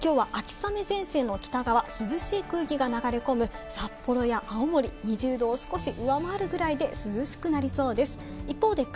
きょうは秋雨前線の北側、涼しい空気が流れ込む札幌や青森は２０度を少し上回るぐらいで、涼しくなりそうです。